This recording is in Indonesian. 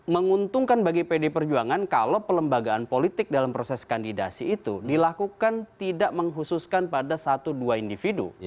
menguntungkan bagi pd perjuangan kalau pelembagaan politik dalam proses kandidasi itu dilakukan tidak menghususkan pada satu dua individu